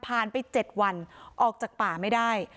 ไป๗วันออกจากป่าไม่ได้